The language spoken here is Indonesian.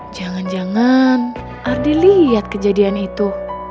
jangan jangan ardi lihat kejadian itu